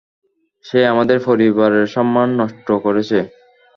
সে আমাদের পরিবারের সম্মান নষ্ট করেছে।